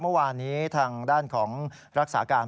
เมื่อวานนี้ทางด้านของรักษาการ